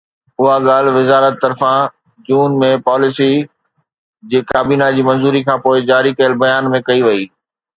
اها ڳالهه وزارت طرفان جون ۾ پاليسي جي ڪابينا جي منظوري کانپوءِ جاري ڪيل بيان ۾ ڪئي وئي